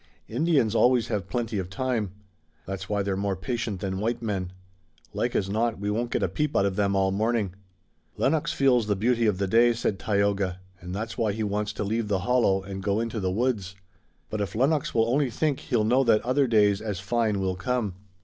Indians always have plenty of time. That's why they're more patient than white men. Like as not we won't get a peep out of them all the morning." "Lennox feels the beauty of the day," said Tayoga, "and that's why he wants to leave the hollow and go into the woods. But if Lennox will only think he'll know that other days as fine will come."